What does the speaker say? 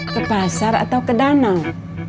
ke pasar atau ke danau